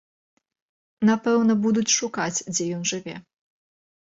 Напэўна, будуць шукаць, дзе ён жыве.